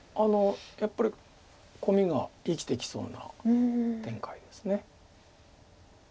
やっぱりコミが生きてきそうな展開です。